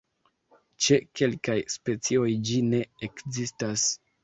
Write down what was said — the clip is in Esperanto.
Ĉe kelkaj specioj ĝi ne ekzistas.